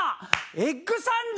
エッグサンド！